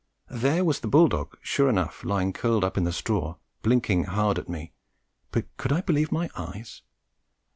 There was the bull dog sure enough lying curled up in the straw blinking hard at me, but could I believe my eyes?